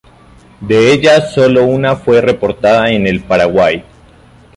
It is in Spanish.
De ellas solo una fue reportada en el Paraguay.